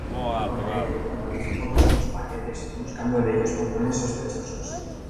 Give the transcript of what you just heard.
Para ello, analiza todos los paquetes, buscando en ellos patrones sospechosos.